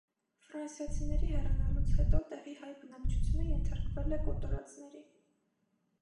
Ֆրանսիացիների հեռանալուց հետո տեղի հայ բնակչությունը ենթարկվել է կոտորածների։